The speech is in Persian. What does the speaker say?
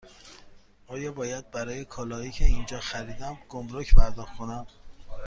آیا باید برای کالاهایی که اینجا خریدم گمرگ پرداخت کنم؟